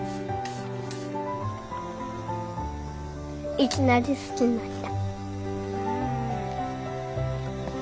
いきなり好きになった。